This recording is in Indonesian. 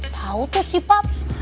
tau tuh si paps